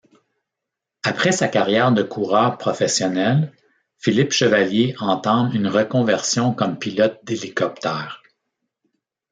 Après sa carrière de coureur professionnel, Philippe Chevallier entame une reconversion comme pilote d'hélicoptère.